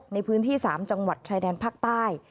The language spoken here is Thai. ในพื้นที่๓จังหวัดชายแดนภาคใต้